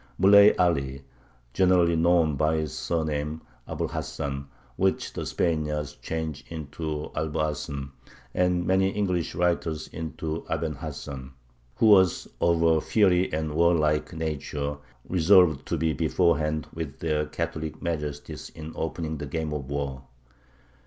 Muley Aly, generally known by his surname, Abu l Hasan (which the Spaniards change into Alboacen, and many English writers into Aben Hasan), who was of a fiery and warlike nature, resolved to be beforehand with their Catholic majesties in opening the game of war.